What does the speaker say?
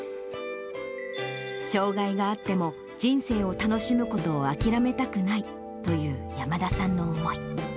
障がいがあっても、人生を楽しむことを諦めたくないという山田さんの思い。